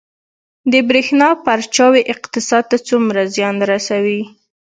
د بریښنا پرچاوي اقتصاد ته څومره زیان رسوي؟